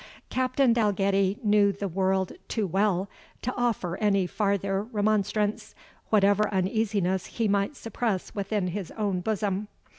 Captain Dalgetty knew the world too well to offer any farther remonstrance, whatever uneasiness he might suppress within his own bosom.